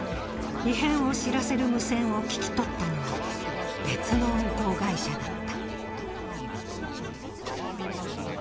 異変を知らせる無線を聞き取ったのは別の運航会社だった。